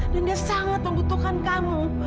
dan dia sangat membutuhkan kamu